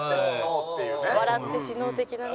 「笑って死のう的なね」